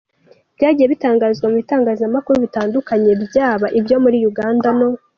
byagiye bitangazwa mu bitangazamakuru bitandukanye byaba ibyo muri Uganda no.